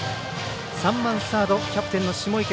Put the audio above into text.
３番サード、キャプテンの下池。